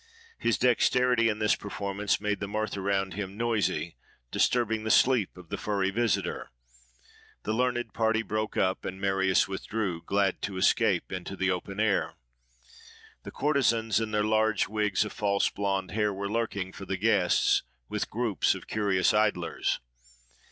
His dexterity in this performance made the mirth around him noisy, disturbing the sleep of the furry visitor: the learned party broke up; and Marius withdrew, glad to escape into the open air. The courtesans in their large wigs of false blond hair, were lurking for the guests, with groups of curious idlers.